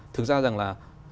thực ra rằng là